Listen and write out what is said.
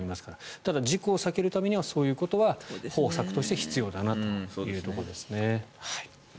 ただ、事故を避けるためにはそういうことは方策として必要だなというところですね。